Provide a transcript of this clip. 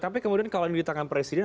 tapi kemudian kalau ini di tangan presiden